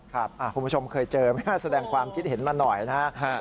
คุณผู้ชมเคยเจอไหมฮะแสดงความคิดเห็นมาหน่อยนะครับ